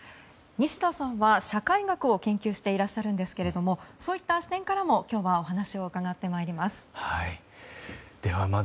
西田さんは、社会学を研究していらっしゃるんですけれどもそういった視点からも今日はお話を伺っていきます。